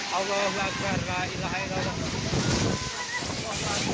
allahumma akbar la ilaha illallah mahammatullahi wa barakatuh